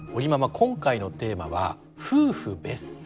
今回のテーマは「夫婦別姓」。